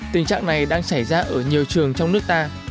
tình trạng này đang xảy ra ở nhiều trường trong nước ta